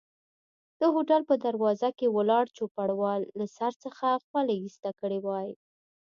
د هوټل په دروازه کې ولاړ چوپړوال له سر څخه خولۍ ایسته کړي وای.